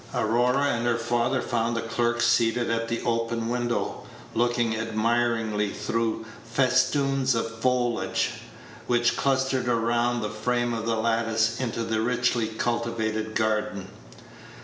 Aurora and her father found the clerk seated at the open window, looking admiringly through festoons of foliage, which clustered round the frame of the lattice, into the richly cultivated garden.